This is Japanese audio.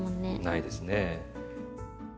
ないですね。